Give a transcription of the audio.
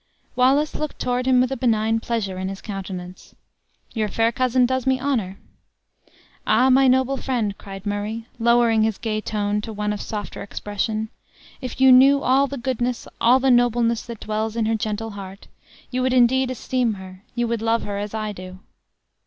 Wallace looked toward him with a benign pleasure in his countenance. "Your fair cousin does me honor." "Ah! my noble friend," cried Murray, lowering his gay tone to one of softer expression; "if you knew all the goodness, all the nobleness that dwells in her gentle heart, you would indeed esteem her you would love her as I do."